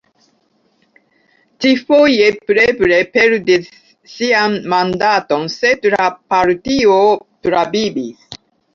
Ĉi-foje Preble perdis sian mandaton, sed la partio travivis.